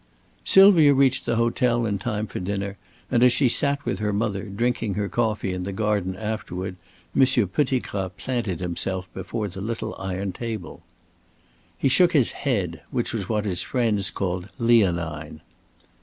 Sylvia reached the hotel in time for dinner, and as she sat with her mother, drinking her coffee in the garden afterward, Monsieur Pettigrat planted himself before the little iron table. He shook his head, which was what his friends called "leonine."